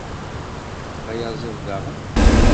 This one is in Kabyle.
D ayaẓiḍ daɣen?